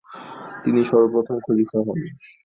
তিনি সর্বপ্রথম খলিফা হন।